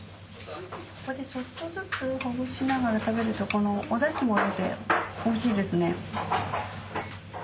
ちょっとずつほぐしながら食べるとおダシも出ておいしいですね。